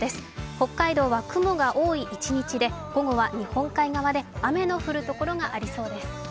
北海道は雲が多い一日で午後は日本海側で雨の降るところがありそうです。